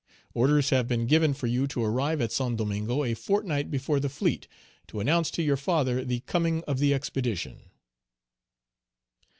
Orders have been given for you to arrive at Saint Domingo a fortnight before the fleet, to announce to your father the coming of the expedition."